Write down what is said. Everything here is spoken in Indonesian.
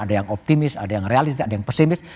ada yang optimis ada yang realis ada yang pesimis